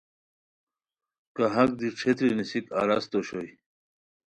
کاہاک دی ݯھیتری نیسیک اراست اوشوئے